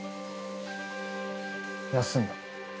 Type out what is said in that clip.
休んだ。